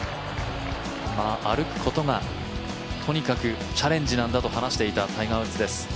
歩くことがとにかくチャレンジなんだと話していた、タイガー・ウッズです。